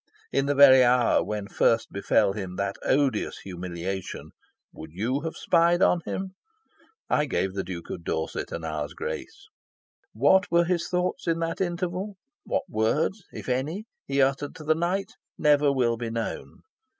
In the very hour when first befell him that odious humiliation, would you have spied on him? I gave the Duke of Dorset an hour's grace. What were his thoughts in that interval, what words, if any, he uttered to the night, never will be known.